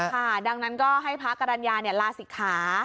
ค่ะดังนั้นก็ให้พระกรรณญาลาศิกขา